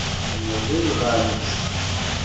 Nɣiɣ-am-tt.